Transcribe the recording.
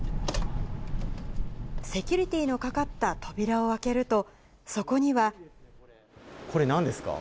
セキュリティーのかかった扉を開けると、そこには。これ、なんですか？